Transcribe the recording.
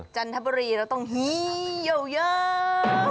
จันทบุรีเราต้องฮีเยาวเยาว